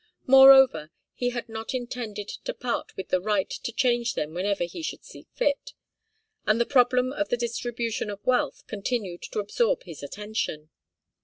Moreover, he had not intended to part with the right to change them whenever he should see fit, and the problem of the distribution of wealth continued to absorb his attention.